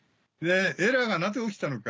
エラーがなぜ起きたのか？